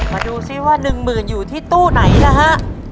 มาดูสิว่า๑๐อยู่ที่ตู้ไหนล่ะฮะ